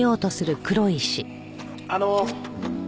あの。